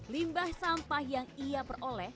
limbah sampah yang ia peroleh